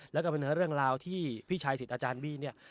แล้วก็เป็นเรื่องราวที่พี่ชายสิทธิ์อาจารย์บี้เนี่ย